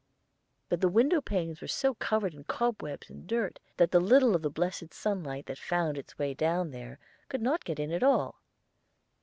"But the window panes were so covered with cobwebs and dirt that the little of the blessed sunlight that found its way down there could not get in at all.